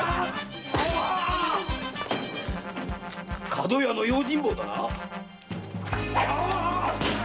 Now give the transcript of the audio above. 角屋の用心棒だな？